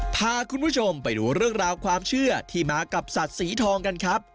พาคุณผู้ชมไปดูเรื่องราวความเชื่อที่มากับสัตว์สีทองกันครับ